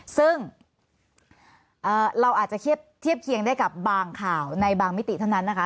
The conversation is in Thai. ซึ่งเราอาจจะเทียบเคียงได้กับบางข่าวในบางมิติเท่านั้นนะคะ